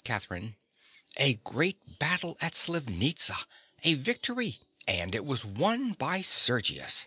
_) CATHERINE. A great battle at Slivnitza! A victory! And it was won by Sergius.